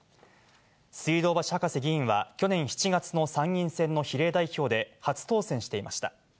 水道橋博士議員は去年７月の参院選の比例代表で初当選していました。